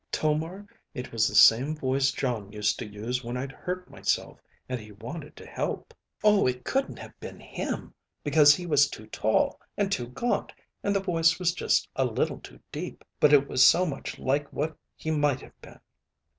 Tomar, it was the same voice Jon used to use when I'd hurt myself and he wanted to help. Oh, it couldn't have been him, because he was too tall, and too gaunt, and the voice was just a little too deep. But it was so much like what he might have been.